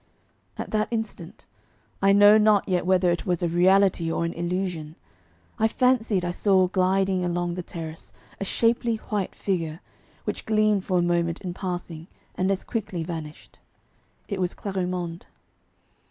At that instant, I know not yet whether it was a reality or an illusion, I fancied I saw gliding along the terrace a shapely white figure, which gleamed for a moment in passing and as quickly vanished. It was Clarimonde.